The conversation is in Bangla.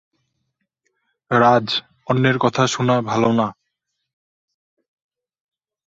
রাজ, অন্যের কথা শুনা ভালো না।